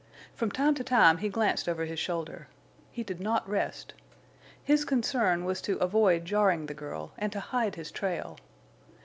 From time to time he glanced over his shoulder. He did not rest. His concern was to avoid jarring the girl and to hide his trail.